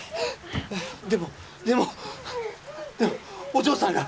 でもでもでもお嬢さんが